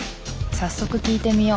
早速聞いてみよう。